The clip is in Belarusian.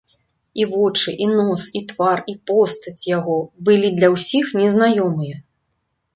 І вочы, і нос, і твар, і постаць яго былі для ўсіх незнаёмыя.